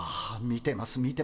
見てます